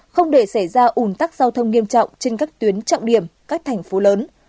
không để xảy ra ủn tắc giao thông nghiêm trọng trên các tuyến trọng điểm các thành phố lớn